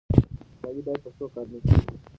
سيالي بايد په ښو کارونو کې وي.